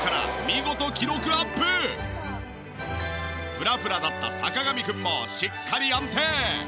フラフラだった坂上くんもしっかり安定！